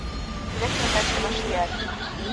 Лекна таче вашлияш: